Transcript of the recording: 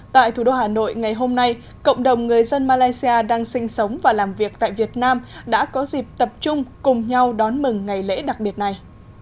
tại thủ đô hà nội ngày hôm nay cộng đồng người dân malaysia đang sinh sống và làm việc tại việt nam đã có dịp tập trung cùng nhau đón mừng ngày lễ đặc biệt này